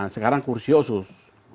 sekarang kursi osus